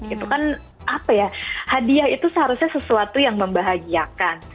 itu kan apa ya hadiah itu seharusnya sesuatu yang membahagiakan